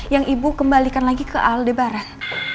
yang ibu kembalikan lagi ke aldebaran